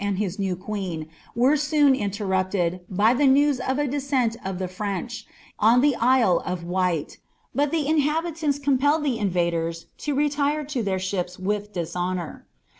and his new queen were conn in '^:pi(Hl, by the news of a descent of the French, on the Isle of jtii; but the iuhabitauM cumpelled (he ioTaders to retjre lo iheir y^ witli dishonour.